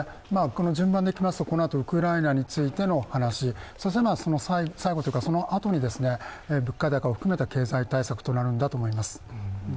順番でいきますと、この後、ウクライナについての話そして最後というか、そのあとに物価高を含めた経済対策となるんだと思います。